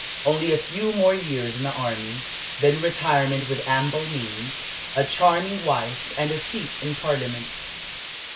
Only a few more years in the army, then retirement with ample means, a charming wife, and a seat in Parliament.